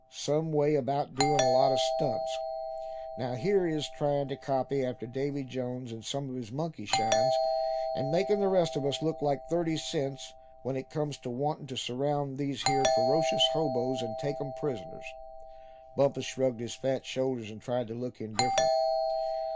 Same way about doin' a lot of stunts. Now here he is, tryin' to copy after Davy Jones in some of his monkey shines; and makin' the rest of us look like thirty cents when it comes to wantin' to surround these here ferocious hoboes, and take 'em prisoners." Bumpus shrugged his fat shoulders, and tried to look indifferent.